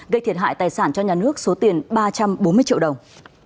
gây thiệt hại tài sản cho nhà nước số tiền ba trăm bốn mươi triệu đồng